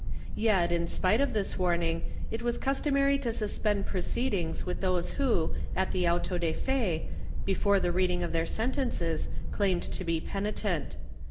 Yet, in spite of this warning, it was customary to suspend proceed ings with those who, at the auto de fe, before the reading of their sentences, claimed to be penitent.